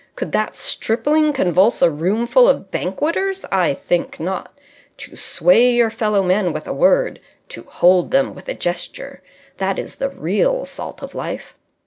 Could that stripling convulse a roomful of banqueters? I think not! To sway your fellow men with a word, to hold them with a gesture ... that is the real salt of life.